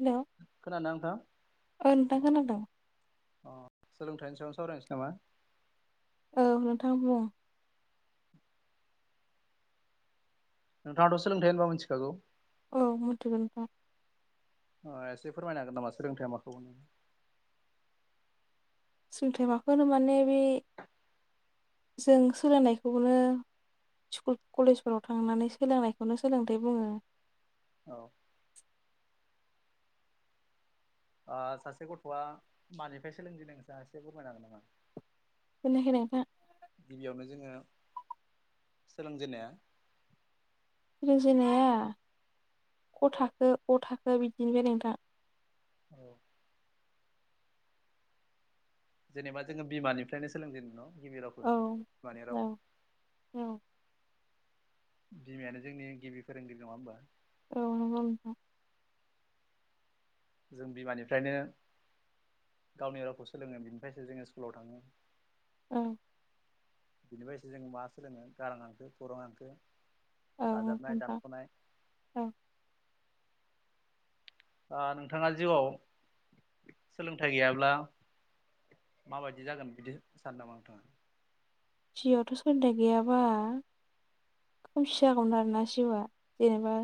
Hello खोनादोंना नोंथां औ नोंथां खोनादों अ सोलोंथाइनि सायाव सावरायनोसै नामा। औ नोंथां बुं। [inaudible] नोंथाङाथ' सोलोंथाइ होनब्ला मिथिखागौ। औ मिथिगौ नोंथां। अ एसे फोरमायनो हागोन नामा सोलोंथाइया माखौ बुङो। सोलोंथाइ माखौ माने बे जों सोलोंनायखौनो स्कुल कलेजफोराव थांनानै सोलोंनायखौनो सोलोंथाइ बुङो। औ। आ सासे गथ'आ मानिफ्राय सोलोंजेनो नोंथाङा एसे बुंनो हागोन नामा। खोनायाखै नोंथां। गिबियावनो जोङो सोलोंजेननाया सोलोंजेननाया ख थाखो अ थाखो बिदिनिफ्राय नोंथां। औ। जेनेबा जोङो बिमानिफ्रायनो सोलोंजेनदों नङा होनबा गिबि रावखौ औ बिमानि औ राव। औ। बिमायानो जोंनि गिबि फोरोंगिरि नङा होनबा औ नंगौ जों बिमानिफ्रायनो गावनि रावखौ सोलोङो बिनिफ्रायसो जोङो स्कुलाव थाङो औ बिबादिनो जों मा सोलोङो गारां हांखो खौरां हांखो औ नंगौ दाजाबनाय नोंथां दानख'नाय औ ओ नोंथाङा जिउआव सोलोंथाइ गैयाब्ला माबायदि जागोन बिदि सानो नामा नोंथाङा जिउआवथ' सोलोंथाइ गैयाबा खोमसि जागौमोन आरोना जिउआ जेनेबा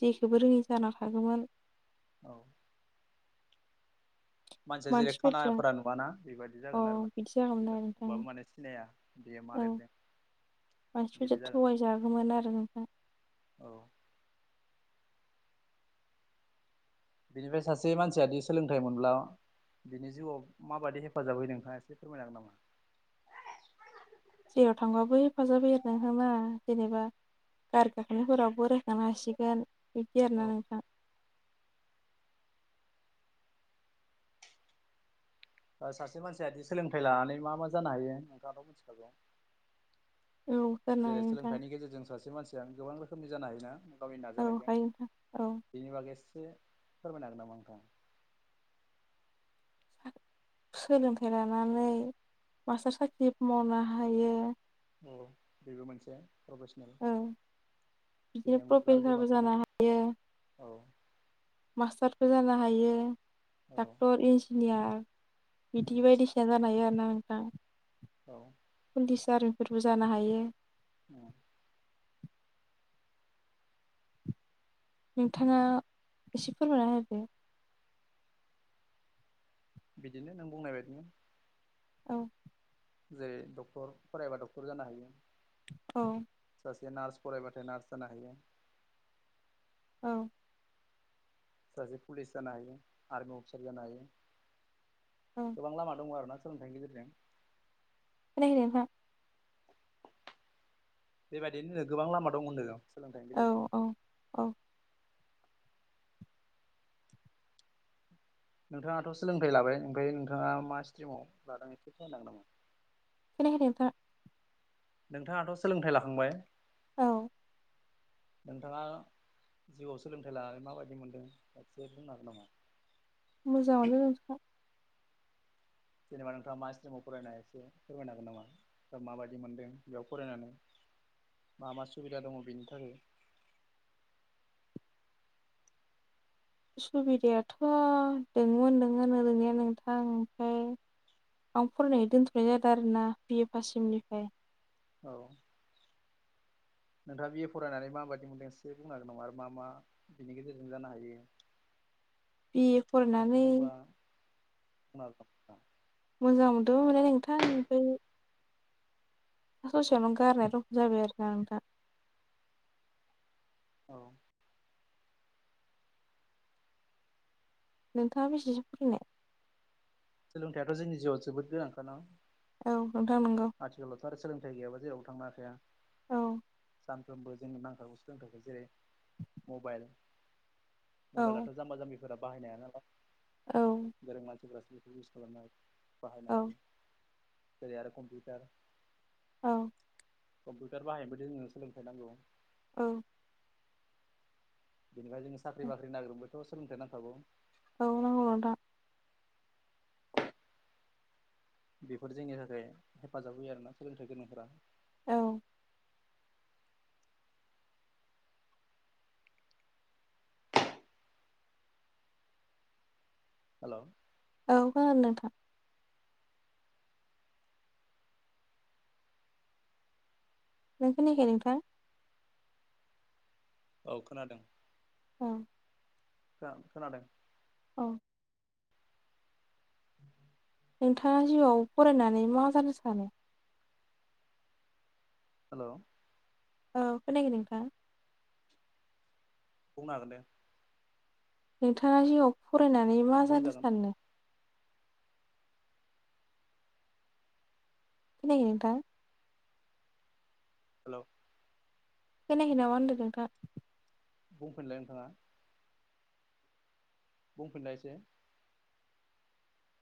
जेखोबो रोङि जाना थागौमोन औ मानसिया जेरै मानसिफोरजों खानाफोरा नुवाना बेबायदि औ जागोन आरो ना बिदि जागौमोन आरो नोंथां नुबाबो माने सिनाया बेयो मा लिरदों बिदि मानसिफोरजों जागोन थगायजागौमोन आरो नोंथां औ बिनिफ्राय सासे मानसियादि सोलोंथाइ मोनब्ला बिनि जिउआव माबायदि हेफाजाब होयो नोंथाङा एसे फोरमायनो हागोन नामा जेयाव थांबाबो हेफाजाब होयो आरो नोंथां ना जेनेबा गारि गाखोनायफोरावबो रोगानो हासिगोन बिदि औ आरोना नोंथां सासे मानसियादि सोलोंथाइ लानानै मा मा जानो हायो नोंथाङाथ' मिथिखागौ औ खोनानो जेरै हायो नोंथां सोलोंथाइनि गेजेरजों सासे मानसिया गोबां रोखोमनि जानो हायो ना गावनि औ नाजानायजों हायो नोंथां औ बेनि बागै एसे फोरमायनो हागोन नामा नोंथाङा सोलोंथाइ लानानै मास्टार साख्रि मावनो हायो औ बेबो मोनसे प्रफिसनेल औ बिदिनो बेनि अनगा आरो प्रफेसारबो गोबां जानो दंबावो औ मास्टारफोर जानो हायो औ डक्टर इनजिनियार उम बिदि बायदिसि ना जानो हायो आरोना नोंथां औ पुलिस आरमिफोरबो जानो हायो [unintelligible] नोंथाङा एसे फोरमायना होदो बिदिनो नों बुंनाय बायदिनो औ जेरै डक्टर फरायबा डक्टर जानो हायो औ सासे नार्स फरायबाथाय नार्स जानो हायो औ सासे पुलिस जानो हायो आर्मि अफिसार जानो हायो औ गोबां लामा दङ आरोना सोलोंथाइनि गेजेरजों खोनायाखै नोंथां बेबायदिनो गोबां लामा दं होनदों सोलोंथाइनि औ गेजेरजों औ औ नोंथाङाथ' सोलोंथाइ लाबाय ओमफ्राय नोंथाङा मा स्ट्रिमाव लादों एसे फोरमायनो होगोन नामा खोनायाखै नोंथां नोंथाङाथ' सोलोंथाइ लाखांबाय औ नोंथाङा जिउआव सोलोंथाइ लानानै माबायदि मोनदों एसे बुंनो हागोन नामा मोजाङानो नोंथां जेनेबा नोंथाङा मा स्ट्रिमाव फरायनाय एसे फोरमायनो हागोन नामा दा माबायदि मोनदों बेयाव फरायनानै मा मा सुबिदा दङ बेनि थाखाय सुबिदायाथ' दंमोन दोङो ओरैनिया नोंथां ओमफ्राय आं फरायनाय दोनथ'नाय जादों आरोना बि ए पाससिएमनिफ्राय। औ नोंथाङा बि ए फरायनानै माबायदि मोनदों एसे बुंनो हागोन नामा आरो मा मा? बिनि गेजेर जों जानो हायो। बिए फरायनानै एसे बुंबा बुंनो हागोन। नामा मोजां मोनदोंमोनलाय नोंथां ओमफ्राय दा ससेयावनो गारनाय रखम जाबाय आरो नोंथां। औ नोंथाङा बेसेसो फरायनाय? सोलोंथाइाथ' जोंनि जिउआव जोबोद गोनांखा ना। औ नोंथा नोंगौ। आथिखालावथ' आरो सोंथाइ गयाबा जेराव थांनो हाखाया। औ सानफ्रोमबो जोंनो नांथारगौ सोलोंथोयखौ जेरै मबाइल औ मबाइलाथ जाम्बा जाम्बिफोरा बाहायनो हाया नालाय गोरों मानसिफोरासो बेखौ इउस खालामनो हागोन। बाहायनो औ हायो जेरै आरो कमपिउटार औ कम्पिउटार बाहायबायाय जोंनो सोलोंथाइ नांगौ। औ बेनिफ्राय जोङो साख्रि बाख्रि नागिरदोंबायथ सोलोंथाइ नांथागौ। औ नंगौ नोंथां। बेफोर जोंनि थाखाय हेफाजाब होयो आरोना सोलोंथाइ गोनांफोरा। औ हेलौ औ खोनादों नोंथां। नों खोनायाखै नोंथां? औ खोनादों। अ औ खोनादों। औ नोंथाङा जिउआव फरायनानै मा जानो सानो? हेलौ औ खोनायाखै नोंथां। बुंनो हागोनदे। नोंथाङा जिउआव फरायनानै मा जानो बुंजागोन सानो? खोनायाखै नोंथां। हेलौ खोनायाखै नामा होनदों नोंथाङा? बुंफिलाय नोंथाङा। बुंफिनलाय एसे ‌।